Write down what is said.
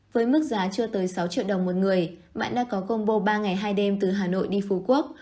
với mức giá chưa tới sáu triệu đồng một người bạn đã có combo ba ngày hai đêm từ hà nội đi phú quốc